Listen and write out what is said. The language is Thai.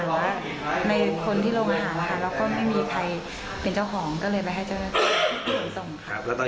ในคนที่เรามาหาแล้วก็ไม่มีใครเป็นเจ้าหอง